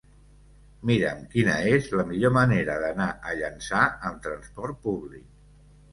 Mira'm quina és la millor manera d'anar a Llançà amb trasport públic.